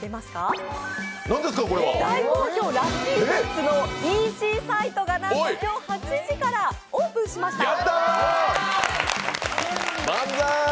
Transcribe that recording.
大好評ラッピーグッズのＥＣサイトが今日８時からオープンしました。